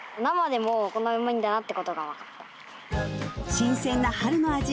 新鮮な春の味